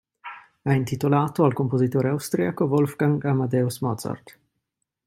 È intitolato al compositore austriaco Wolfgang Amadeus Mozart.